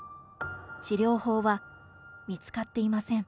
治療法は見つかっていません。